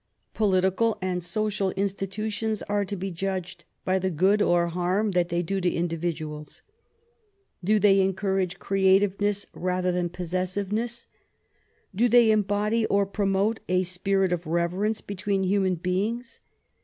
Political and social institutions are to be judged by the good or harm that they do to individuals. Do they encourage creativeness rather than possessiveness? Do they embody or promote a spirit of reverence between human beings?